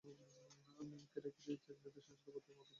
আমি একে রেখে দিয়েছি এক নিদর্শনরূপে, অতএব উপদেশ গ্রহণকারী কেউ আছে কি?